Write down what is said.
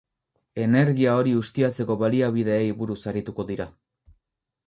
Energia hori ustiatzeko baliabideei buruz arituko dira.